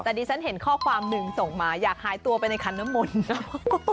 แต่ดิฉันเห็นข้อความหนึ่งส่งมาอยากหายตัวไปในคันน้ำมนต์เนอะ